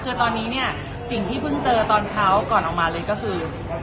คือตอนนี้เนี่ยสิ่งที่เพิ่งเจอตอนเช้าก่อนออกมาเลยก็คือ